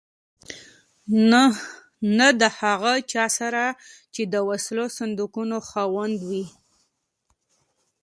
نه د هغه چا سره چې د وسلو صندوقونو خاوند وي.